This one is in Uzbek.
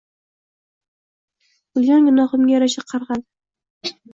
Qilgan gunohimga yarasha qarg`adi